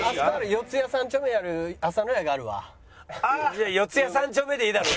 じゃあ四谷三丁目でいいだろ！